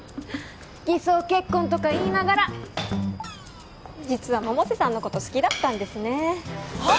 偽装結婚とか言いながら実は百瀬さんのこと好きだったんですねはあ！？